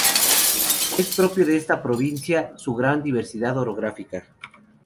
Es propio de esta provincia su gran diversidad orográfica.